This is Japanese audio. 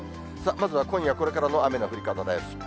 まずは今夜これからの雨の降り方です。